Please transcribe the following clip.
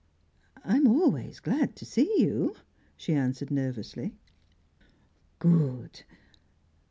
"I am always glad to see you," she answered nervously. "Good!